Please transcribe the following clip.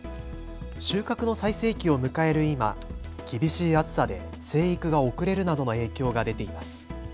収穫の最盛期を迎える今、厳しい暑さで生育が遅れるなどの影響が出ています。